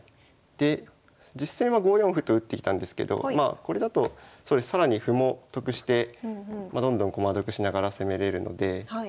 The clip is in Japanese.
で実戦は５四歩と打ってきたんですけどこれだと更に歩も得してどんどん駒得しながら攻めれるので。